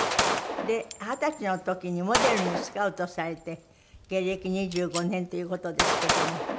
で二十歳の時にモデルにスカウトされて芸歴２５年という事ですけども。